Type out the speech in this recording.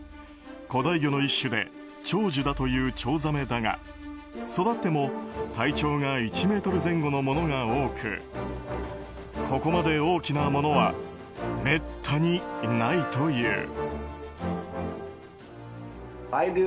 古代魚の１種で長寿だというチョウザメだが育っても体長が１ｍ前後のものが多くここまで大きなものはめったにないという。